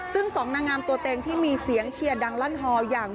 ซึ่งสองนางงามตัวเต็งที่มีเสียงเชียร์ดังลั่นฮอลอย่าง